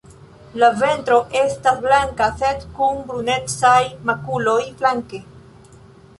La ventro estas blanka sed kun brunecaj makuloj flanke.